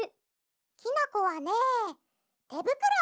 きなこはねてぶくろ！